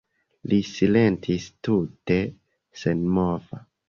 Li silentis tute senmova.